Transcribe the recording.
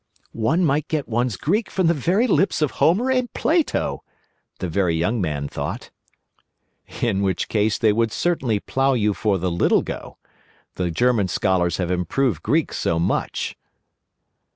"One might get one's Greek from the very lips of Homer and Plato," the Very Young Man thought. "In which case they would certainly plough you for the Little go. The German scholars have improved Greek so much."